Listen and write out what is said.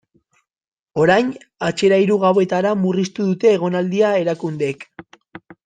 Orain, atzera hiru gauetara murriztu dute egonaldia erakundeek.